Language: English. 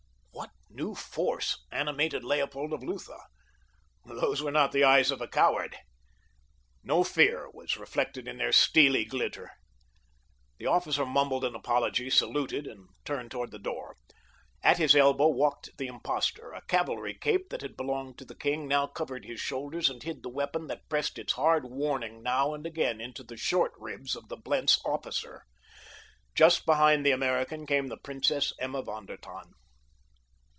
What new force animated Leopold of Lutha? Those were not the eyes of a coward. No fear was reflected in their steely glitter. The officer mumbled an apology, saluted, and turned toward the door. At his elbow walked the impostor; a cavalry cape that had belonged to the king now covered his shoulders and hid the weapon that pressed its hard warning now and again into the short ribs of the Blentz officer. Just behind the American came the Princess Emma von der Tann.